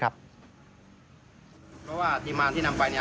เพราะว่าทีมงานที่นำไป